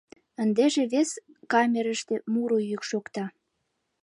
Ындыже вес камерыште муро йӱк шокта.